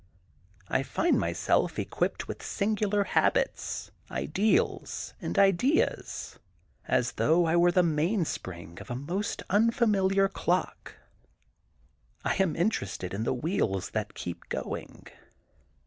I find myself equipped with singular habits, ideals, and' ideas, as though I were the mainspring of a most unfamiliar clock. I am interested in the wheels that keep going.